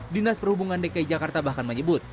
dinas perhubungan dki jakarta bahkan menyebut